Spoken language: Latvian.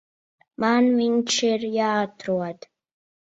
Man viņš ir jāatrod.